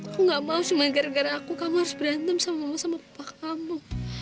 aku gak mau cuma gara gara aku kamu harus berantem sama mama sama papa kamu